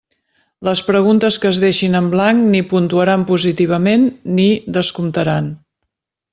Les preguntes que es deixin en blanc ni puntuaran positivament ni descomptaran.